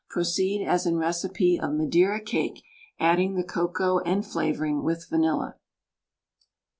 Proceed as in recipe of "Madeira Cake," adding the cocoa and flavouring with vanilla.